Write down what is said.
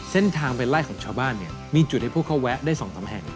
เส้นทางไปไล่ของชาวบ้านเนี่ยมีจุดให้พวกเขาแวะได้๒๓แห่ง